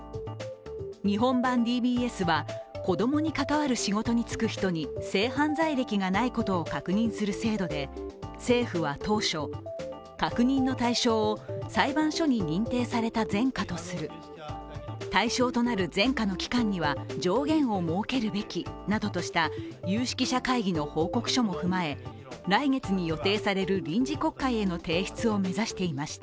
日本版ＤＢＳは、子供に関わる仕事に就く人に性犯罪歴がないことを確認する制度で政府は当初、確認の対象を裁判所に認定された前科とする対象となる前科の期間には上限を設けるべきなどとした有識者会議の報告書も踏まえ来月に予定される臨時国会への提出を目指していました。